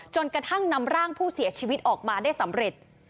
จนกระทั่งนำร่างผู้เสียชีวิตออกมาได้สำเร็จ